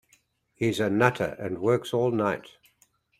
He's a nutter and works all night.